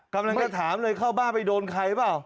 กำลังจะถามเลยเข้าบ้านไปโดนใครเปล่า